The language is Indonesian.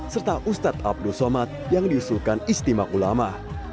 serta ustadz abdul somad yang diusulkan istimewa ulama